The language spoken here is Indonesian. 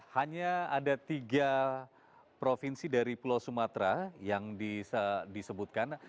hanya ada tiga provinsi dari pulau sumatera yang disebutkan